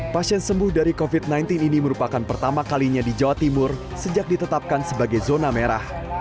pasien sembuh dari covid sembilan belas ini merupakan pertama kalinya di jawa timur sejak ditetapkan sebagai zona merah